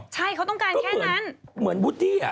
ใช่เขาต้องการแค่นั้นเหมือนบุธี้